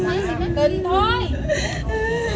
เมื่อ